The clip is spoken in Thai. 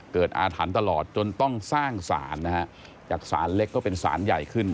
อาถรรพ์ตลอดจนต้องสร้างศาลนะฮะจากศาลเล็กก็เป็นสารใหญ่ขึ้น